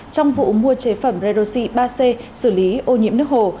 trong vụ mua chế phẩm redoxi ba c xử lý ô nhiễm nước hồ